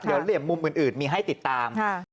เดี๋ยวเหลี่ยมมุมอื่นมีให้ติดตาม